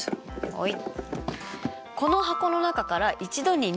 はい。